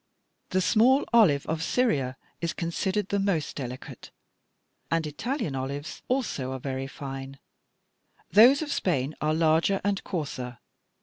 The small olive of Syria is considered the most delicate, and Italian olives also are very fine; those of Spain are larger and coarser.